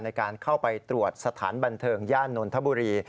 ในการเข้าไปตรวจสถานบันเทิงย่านนทบุรี